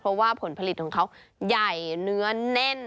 เพราะว่าผลผลิตของเขาใหญ่เนื้อแน่น